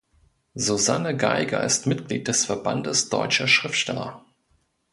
Susanne Geiger ist Mitglied des Verbandes Deutscher Schriftsteller.